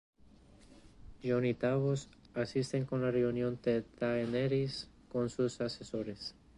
Jon y Davos asisten a la reunión de Daenerys con sus asesores.